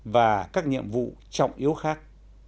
và các nhiệm vụ trọng yếu khác